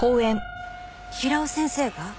平尾先生が？